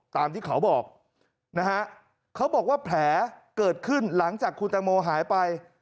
ตามที่เขาบอกนะฮะเขาบอกว่าแผลเกิดขึ้นหลังจากคุณตังโมหายไป